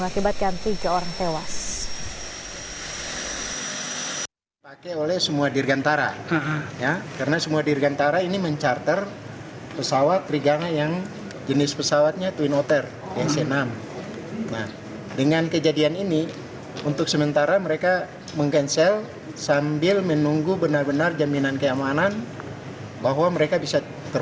hingga mengakibatkan tiga orang tewas